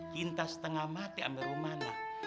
cinta setengah mati ambil anak